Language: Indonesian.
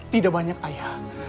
tidak banyak ayah